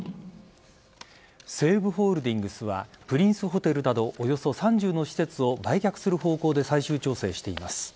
西武ホールディングスはプリンスホテルなどおよそ３０の施設を売却する方向で最終調整しています。